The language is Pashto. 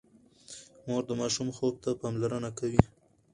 مور د ماشوم خوب ته پاملرنه کوي۔